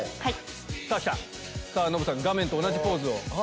さぁ来たノブさん画面と同じポーズを。